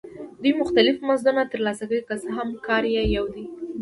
دوی مختلف مزدونه ترلاسه کوي که څه هم کار یې یو دی